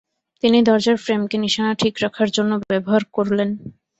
তিনি দরজার ফ্রেম কে নিশানা ঠিক রাখার জন্য ব্যবহার করলেন।